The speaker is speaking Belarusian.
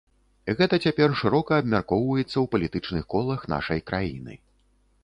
Гэта цяпер шырока абмяркоўваецца ў палітычных колах нашай краіны.